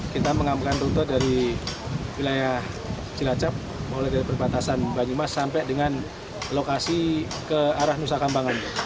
kita mengamukkan rute dari wilayah cilacap mulai dari perbatasan banyumas sampai dengan lokasi ke arah nusa kambangan